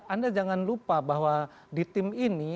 anda jangan lupa bahwa di tim ini